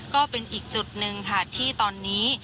ก็เป็นอีกจุดหนึ่งค่ะที่ตอนนี้